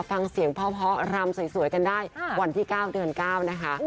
ฟังเสียงพ่อรำสวยกันได้วันที่๙เดือน๙นะคะ